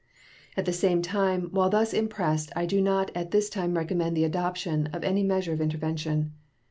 At the same time, while thus impressed I do not at this time recommend the adoption of any measure of intervention.